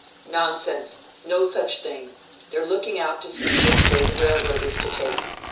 "Nonsense! No such thing! They're looking out to see which way the railroad is to take.